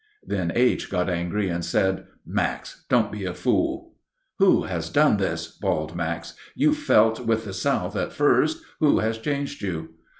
Then H. got angry and said, "Max, don't be a fool." "Who has done this?" bawled Max. "You felt with the South at first; who has changed you?"